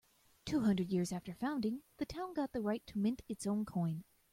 Two hundred years after founding, the town got the right to mint its own coin.